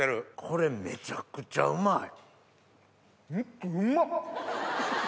これめちゃくちゃうまい。